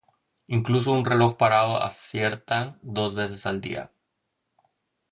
Incluso un reloj parado acierta dos veces al día